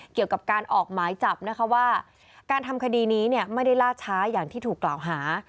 เกี่ยวกับการออกหมายจับนะคะว่าการทำคดีนี้เนี่ยไม่ได้ล่าช้าอย่างที่ถูกกล่าวหา